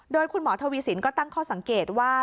โดยคุณหมอทวีสินก็ตั้งข้อสังเกตว่า